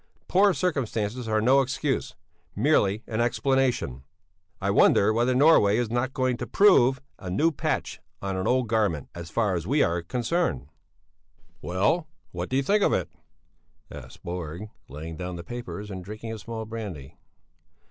Poor circumstances are no excuse, merely an explanation. "'I wonder whether Norway is not going to prove a new patch on an old garment, as far as we are concerned?'" "Well, what do you think of it?" asked Borg laying down the papers and drinking a small brandy.